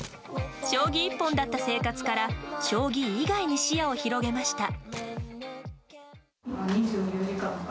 将棋一本だった生活から将棋以外に視野を広げました。